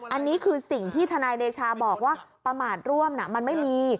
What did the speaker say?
อันนี้คือสิ่งที่ทนายเดชาบอกว่าประมาทร่วมมันไม่มี